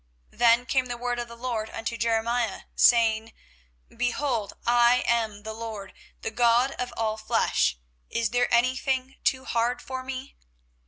24:032:026 Then came the word of the LORD unto Jeremiah, saying, 24:032:027 Behold, I am the LORD, the God of all flesh: is there any thing too hard for me?